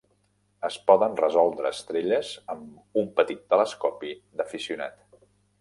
Es poden resoldre estrelles amb un petit telescopi d'aficionat.